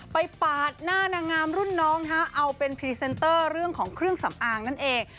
ปาดหน้านางงามรุ่นน้องเอาเป็นพรีเซนเตอร์เรื่องของเครื่องสำอางนั่นเอง